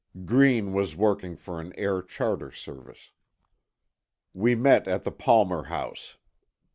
Green was working for an air charter service We met at the Palmer House.